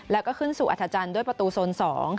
แล้วก็ขึ้นสู่อัฐจันทร์ด้วยประตูโซน๒